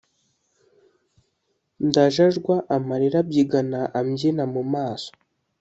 ndajajwa amarira abyigana ambyina mu maso